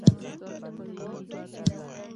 شپه مو ښه تیره شوه.